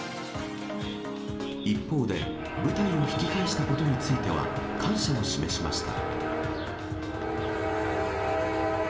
一方で、部隊を引き返したことについては、感謝を示しました。